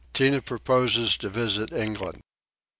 Tinah proposes to visit England.